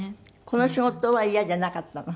この仕事はイヤじゃなかったの？